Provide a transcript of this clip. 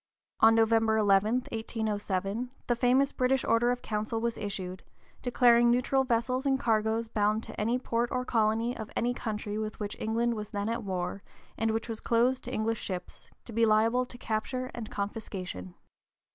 On November 11, 1807, the famous British Order in Council was issued, declaring neutral vessels and cargoes bound to any port or colony of any country with which (p. 042) England was then at war, and which was closed to English ships, to be liable to capture and confiscation.